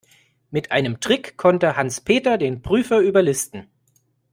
Mit einem Trick konnte Hans-Peter den Prüfer überlisten.